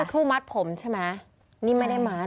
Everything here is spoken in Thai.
ผู้มัดผมใช่ไหม